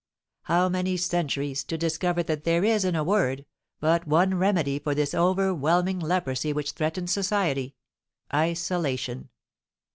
How many centuries to discover that there is, in a word, but one remedy for this overwhelming leprosy which threatens society, isolation!